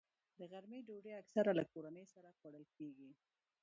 د غرمې ډوډۍ اکثره له کورنۍ سره خوړل کېږي